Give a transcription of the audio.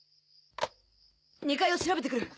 ２階を調べてくる！